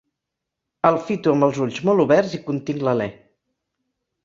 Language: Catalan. El fito amb els ulls molt oberts i continc l'alè.